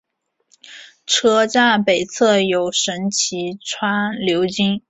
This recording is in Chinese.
车站北侧有神崎川流经。